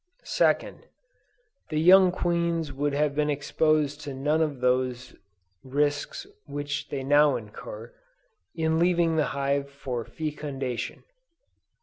2d. The young queens would have been exposed to none of those risks which they now incur, in leaving the hive for fecundation.